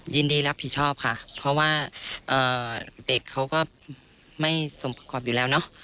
ยินดีรับผิดชอบค่ะเพราะว่าเด็กเขาก็ไม่สมประกอบอยู่แล้วเนอะ